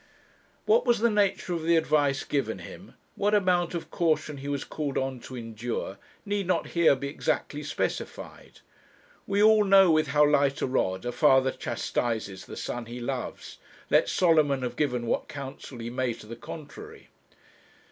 What was the nature of the advice given him, what amount of caution he was called on to endure, need not here be exactly specified. We all know with how light a rod a father chastises the son he loves, let Solomon have given what counsel he may to the contrary.